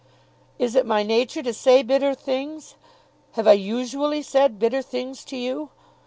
"Is it my nature to say bitter things? Have I usually said bitter things to you?